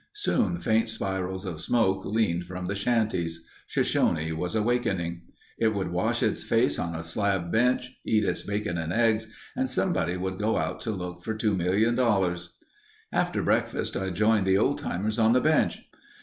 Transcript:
Soon faint spirals of smoke leaned from the shanties. Shoshone was awakening. It would wash its face on a slab bench, eat its bacon and eggs, and somebody would go out to look for two million dollars. After breakfast, I joined the old timers on the bench.